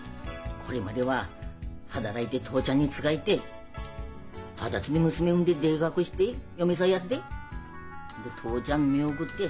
これまでは働いて父ちゃんに仕えて二十歳で娘産んででかくして嫁さやって父ちゃん見送って。